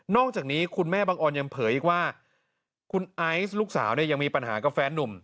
อกจากนี้คุณแม่บังออนยังเผยอีกว่าคุณไอซ์ลูกสาวเนี่ยยังมีปัญหากับแฟนนุ่ม